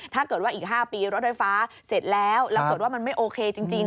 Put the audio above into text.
ถ้าเกิดว่าอีก๕ปีรถไฟฟ้าเสร็จแล้วแล้วเกิดว่ามันไม่โอเคจริง